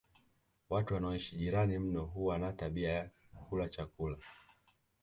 Watu wanaoishi jirani mno huwa na tabia ya kula chakula